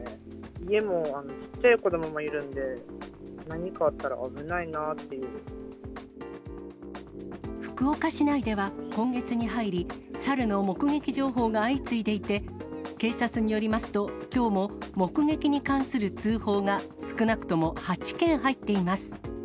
家もちっちゃい子どももいるんで、福岡市内では今月に入り、サルの目撃情報が相次いでいて、警察によりますと、きょうも目撃に関する通報が少なくとも８件入っています。